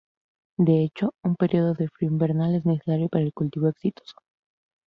De hecho, un período de frío invernal es necesario para el cultivo exitoso.